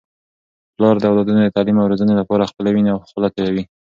پلار د اولادونو د تعلیم او روزنې لپاره خپله وینه او خوله تویوي.